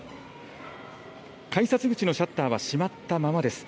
改札口のシャッターは閉まったままです。